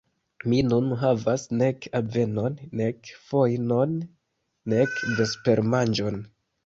Mi nun havas nek avenon, nek fojnon, nek vespermanĝon.